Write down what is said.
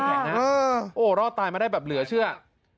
โอ้โหรอดตายมาได้แบบเหลือเชื่อ